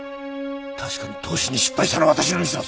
確かに投資に失敗したのは私のミスだ。